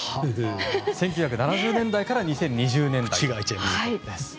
１９７０年代から２０２０年代です。